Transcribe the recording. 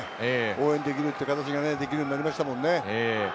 家族で応援できるっていう形ができるようになりましたもんね。